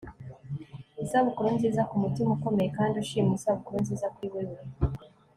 isabukuru nziza kumutima ukomeye kandi ushimwa, isabukuru nziza kuri wewe